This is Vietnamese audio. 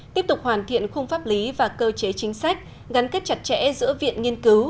tiếp tục hoàn thiện khung pháp lý và cơ chế chính sách gắn kết chặt chẽ giữa viện nghiên cứu